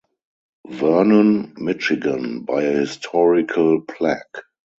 Vernon, Michigan, by a historical plaque.